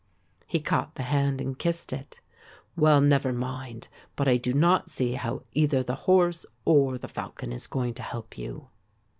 He caught the hand and kissed it. "Well, never mind, but I do not see how either the horse or the falcon is going to help you."